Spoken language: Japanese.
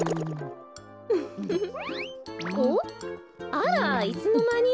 あらっいつのまに？